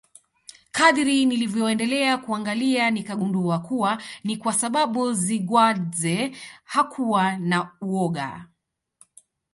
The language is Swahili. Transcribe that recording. kadiri nilivyoendelea kuangalia nikagundua kuwa ni kwa sababu Zigwadzee hakua na uoga